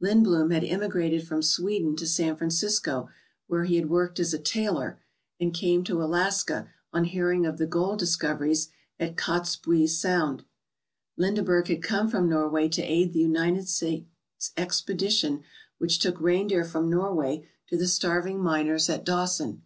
Lindbloom had emigrated from Sweden to San Francisco, where he had worked as a tailor, and came to Alaska on hearing of the gold discoveries at Kotzebue Sound. Lindeberg had come from Norway to aid the United States' expedition which took reindeer from Norway to the starving miners at Dawson.